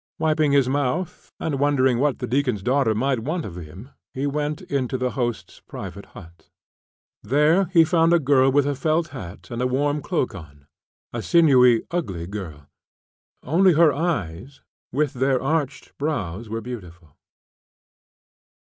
Wiping his mouth, and wondering what the deacon's daughter might want of him, he went into the host's private hut. There he found a girl with a felt hat and a warm cloak on a sinewy, ugly girl; only her eyes with their arched brows were beautiful.